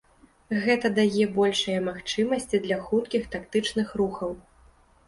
Гэта дае большыя магчымасці для хуткіх тактычных рухаў.